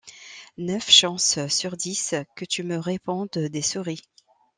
neuf chances sur dix que tu me répondes « Des souris!